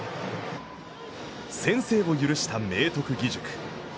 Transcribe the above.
先制を許した明徳義塾。